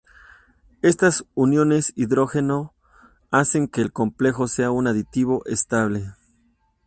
Estas uniones hidrógeno hacen que el complejo sea un aditivo estable.